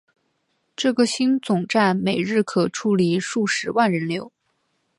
这个新总站每日可处理数十万人流。